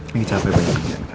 lagi capek banyak pikiran kan